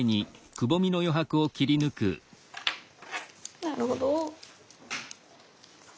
なるほど。